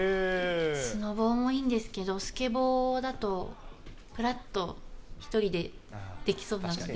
スノボもいいんですけど、スケボーだと、ぷらっと１人でできそうなんで。